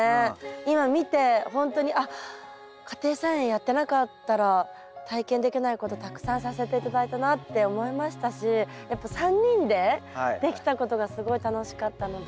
今見てほんとにあっ家庭菜園やってなかったら体験できないことたくさんさせて頂いたなって思いましたしやっぱ３人でできたことがすごい楽しかったので。